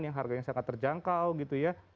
yang harganya sangat terjangkau gitu ya